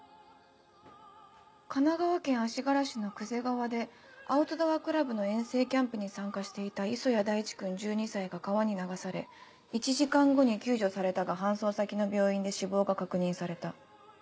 「神奈川県足柄市の久瀬川でアウトドアクラブの遠征キャンプに参加していた磯谷大地君１２歳が川に流され１時間後に救助されたが搬送先の病院で死亡が確認された」。